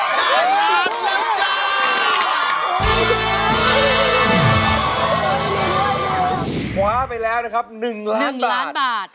คว้าไปแล้วนะครับ๑ล้านบาท